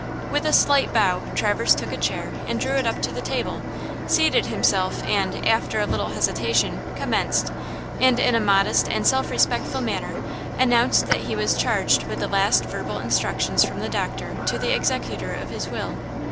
With a slight bow Traverse took a chair and drew it up to the table, seated himself and, after a little hesitation, commenced, and in a modest and self respectful manner announced that he was charged with the last verbal instructions from the doctor to the executor of his will.